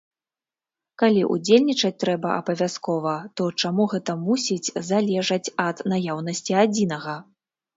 Калі ўдзельнічаць трэба абавязкова, то чаму гэта мусіць залежаць ад наяўнасці адзінага?